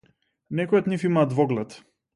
Некои од нив имаа двоглед.